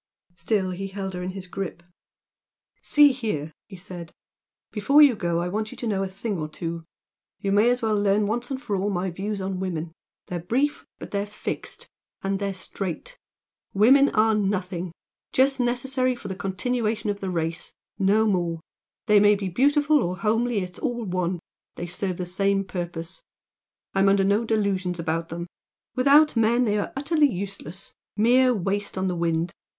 Still he held her in his grip. "See here!" he said "Before you go I want yon to know a thing or two, you may as well learn once for all my views on women. They're brief, but they're fixed. And they're straight! Women are nothing just necessary for the continuation of the race no more. They may be beautiful or homely it's all one they serve the same purpose. I'm under no delusions about them. Without men they are utterly useless, mere waste on the wind!